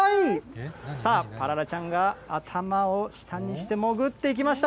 さあ、パララちゃんが頭を下にして潜っていきました。